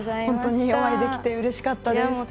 本当にお会いできてうれしかったです。